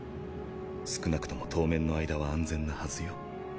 少なくとも当面の間は安全なはずよ。